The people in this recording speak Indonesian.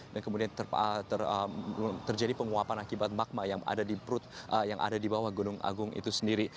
dan kemudian terjadi penguapan akibat magma yang ada di perut yang ada di bawah gunung agung itu sendiri